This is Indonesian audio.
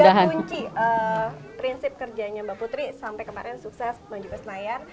ada kunci prinsip kerjanya mbak putri sampai kemarin sukses maju ke senayan